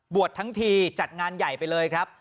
ทั้งทีจัดงานใหญ่ไปเลยครับ